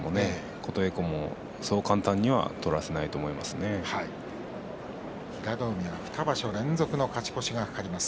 琴恵光も、そう簡単には平戸海は２場所連続の勝ち越しが懸かります。